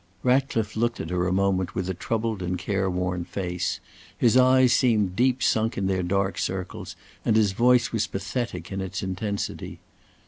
Ratcliffe looked at her a moment with a troubled and careworn face. His eyes seemed deep sunk in their dark circles, and his voice was pathetic in its intensity.